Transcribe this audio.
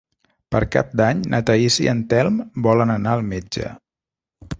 Per Cap d'Any na Thaís i en Telm volen anar al metge.